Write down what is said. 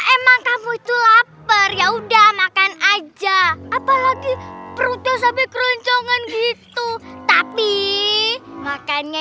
emang kamu itu lapar ya udah makan aja apalagi perutnya sampai keroncongan gitu tapi makannya